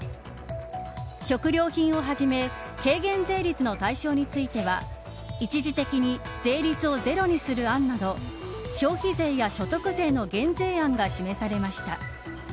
食料品をはじめ軽減税率の対象については一時的に税率をゼロにする案など消費税や所得税の減税案が示されました。